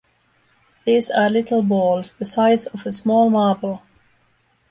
These are little balls, the size of a small marble.